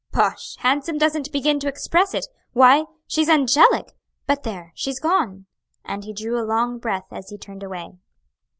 "Posh! handsome doesn't begin to express it! Why, she's angelic! But there! she's gone!" And he drew a long breath as he turned away.